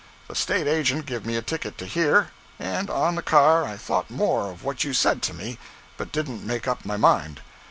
The state agent give me a ticket to here, & on the car i thought more of what you said to me, but didn't make up my mind.